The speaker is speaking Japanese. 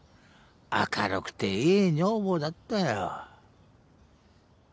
明るくていい女房だったよ。